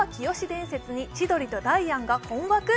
伝説に千鳥とダイアンが困惑？